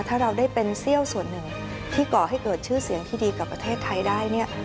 ถ้าเราได้เป็นเซี่ยวส่วนหนึ่งที่ก่อให้เกิดชื่อเสียงที่ดีกับประเทศไทยได้เนี่ย